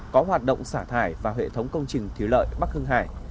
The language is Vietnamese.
có hoạt động xả thải vào hệ thống công trình thiếu lợi bắc hưng hải